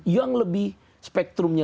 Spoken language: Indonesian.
yang lebih spektrumnya